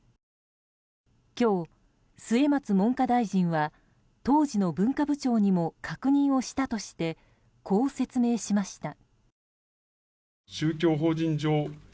今日、末松文科大臣は当時の文化部長にも確認をしたとしてこう説明しました。